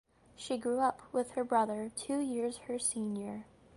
She grew up with her brother two years her senior.